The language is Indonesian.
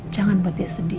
jangan buat dia sedih